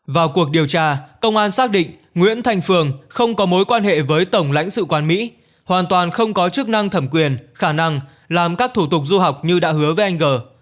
vào cuộc điều tra công an xác định nguyễn thành phường không có mối quan hệ với tổng lãnh sự quán mỹ hoàn toàn không có chức năng thẩm quyền khả năng làm các thủ tục du học như đã hứa với anh g